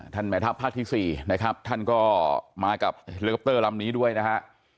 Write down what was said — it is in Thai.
แม่ทัพภาคที่๔นะครับท่านก็มากับเฮลิคอปเตอร์ลำนี้ด้วยนะฮะ